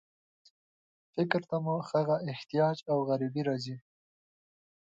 فکر ته مو هغه احتیاج او غریبي راځي.